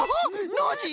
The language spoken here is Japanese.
ノージー